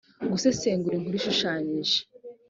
gusesengura inkuru ishushanyije